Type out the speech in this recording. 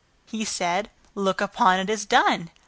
He said, 'Look upon it as done.'